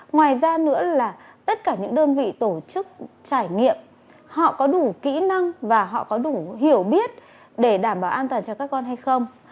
ngoài ra nữa là tất cả những đơn vị tổ chức trải nghiệm họ có đủ kỹ năng và họ có đủ hiểu biết để đảm bảo an toàn cho các con hay không